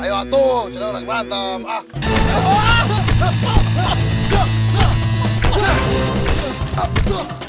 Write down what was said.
ayo atuh sudah udah kematem